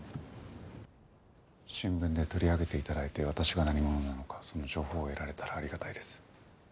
新聞で取り上げて頂いて私が何者なのかその情報を得られたらありがたいです。